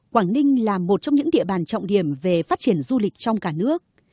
quảng ninh là một trong những địa bàn trọng điểm về phát triển du lịch trong cả nước